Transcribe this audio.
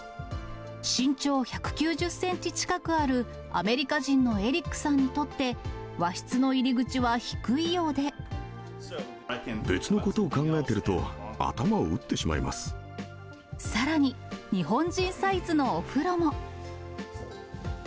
身長１９０センチ近くあるアメリカ人のエリックさんにとって、別のことを考えていると、さらに、日本人サイズのお風呂も。